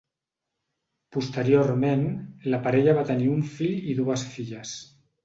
Posteriorment, la parella va tenir un fill i dues filles.